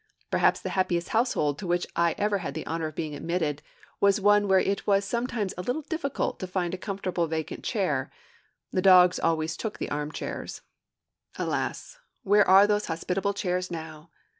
Perhaps the happiest household to which I ever had the honor of being admitted was one where it was sometimes a little difficult to find a comfortable vacant chair: the dogs always took the arm chairs. Alas, where are those hospitable chairs now?